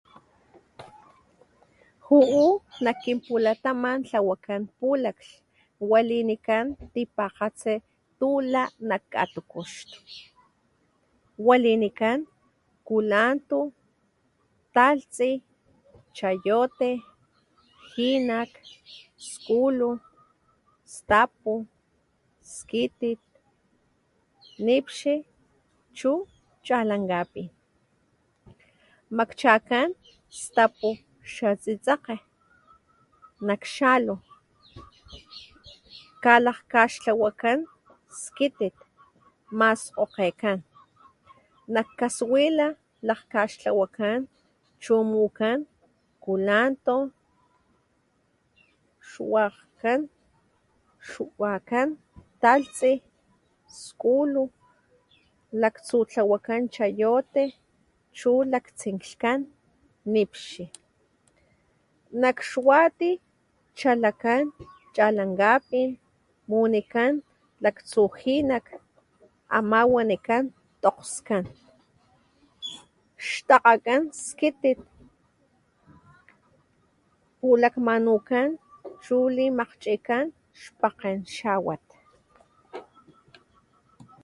Ju´u nak kin pulataman tlawakan pulaklh, walinikan tipakgatsi tu lak nak katukuxtu: walinikan: kulanto talhtsi chayote jinak skulu stapu skitit nipxi chu chalankgapin Makchakan stapu xa tsetsekge nak xalu, kalakgaxtlawa skitit, kamaskgoke, nak kaswila lakgkaxtlawakan chu mukan culanto, xkawan xwakan talhtsi, skulo, laktsu tlawakan chayote chu laktsinkan nipxi, nak xwati chalakan chalankgapin, munikan laktsu jinak ama wanikan tokgskan, xtakgakan skitit, pulakmanukan, chu limakgchikan xpakgen xawat.